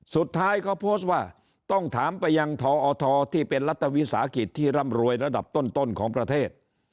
สุดท้ายเขาโพสต์ว่าต้องถามไปยังทอทที่เป็นรัฐวิสาหกิจที่ร่ำรวยระดับต้นของประเทศ